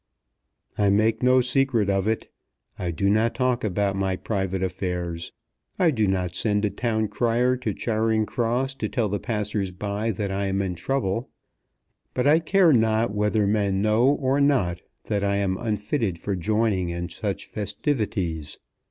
"I make no secret of it. I do not talk about my private affairs. I do not send a town crier to Charing Cross to tell the passers by that I am in trouble. But I care not whether men know or not that I am unfitted for joining in such festivities.